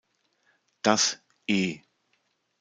Das „E.